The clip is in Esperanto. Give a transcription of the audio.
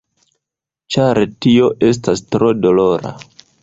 Ĉar tio estas tro dolora.